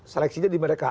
seleksinya di mereka